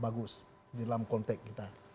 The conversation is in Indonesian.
bagus di dalam konteks kita